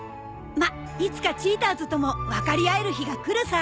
まあいつかチーターズともわかり合える日がくるさ！